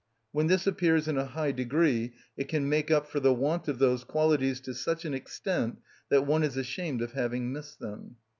When this appears in a high degree it can make up for the want of those qualities to such an extent that one is ashamed of having missed them.